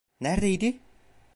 Neredeydi?